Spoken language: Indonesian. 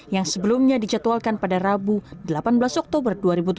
yang sebelumnya dicatualkan pada rabu delapan belas oktober dua ribu tujuh belas